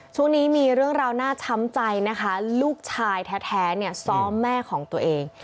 ช่วงนี้มีเรื่องราวน่าช้ำใจนะคะลูกชายแท้เนี่ยซ้อมแม่ของตัวเอง